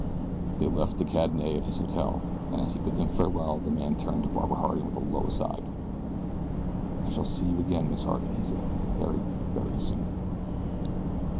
They left De Cadenet at his hotel, and as he bid them farewell the man turned to Barbara Harding with a low aside. "I shall see you again, Miss Harding," he said, "very, very soon."